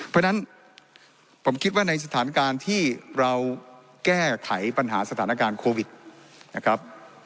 เพราะฉะนั้นผมคิดว่าในสถานการณ์ที่เราแก้ไขปัญหาสถานการณ์โควิดนะครับ